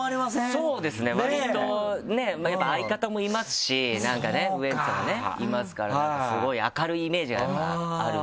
そうですね割とやっぱ相方もいますしなんかねウエンツがねいますからスゴい明るいイメージがやっぱあるんですかね。